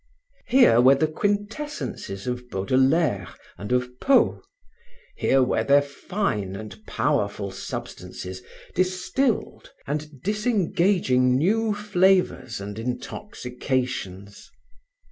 Here were the quintessences of Baudelaire and of Poe; here were their fine and powerful substances distilled and disengaging new flavors and intoxications.